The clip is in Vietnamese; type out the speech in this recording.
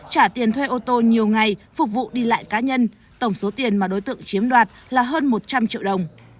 trả tiền thuê ô tô nhiều ngày phục vụ đi lại cá nhân tổng số tiền mà đối tượng chiếm đoạt là hơn một trăm linh triệu đồng